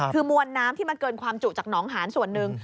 คือมวลน้ำที่มันเกินความจุจากหนองหานส่วนหนึ่ง